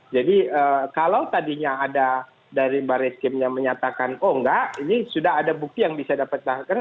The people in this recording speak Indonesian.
jadi kalau tadinya ada dari mbak reskim yang menyatakan oh enggak ini sudah ada bukti yang bisa dapat keterangan